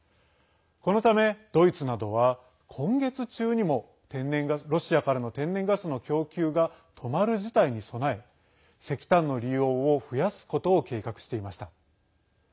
このため、ドイツなどは今月中にもロシアからの天然ガスの供給が止まる事態に備え石炭の利用を増やすことを計画していました。